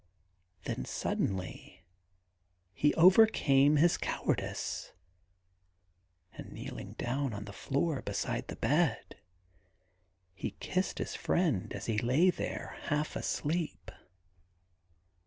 Then suddenly he overcame his cowardice, and kneel ing down on the floor beside the bed, he kissed his friend as he lay there half asleep.